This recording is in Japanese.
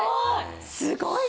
・すごい！